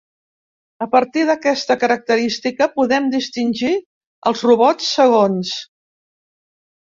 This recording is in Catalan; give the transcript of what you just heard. A partir d'aquesta característica podem distingir els robots segons.